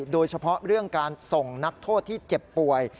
โดยเฉพาะเรื่องการส่งนักโทษที่เจ็บป่วย